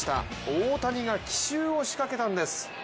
大谷が奇襲を仕掛けたんです。